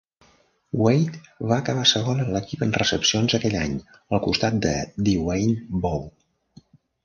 Wade va acabar segon en l'equip en recepcions aquell any al costat de Dewayne Bowe.